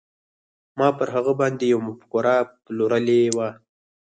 ما پر هغه باندې يوه مفکوره پلورلې وه.